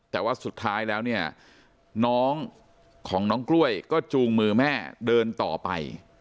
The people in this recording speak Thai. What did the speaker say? แต่ว่าสุดท้ายแล้วเนี่ยน้องของน้องกล้วยก็จูงมือแม่เดินต่อไป